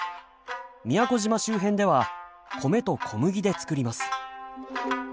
宮古島周辺では米と小麦で作ります。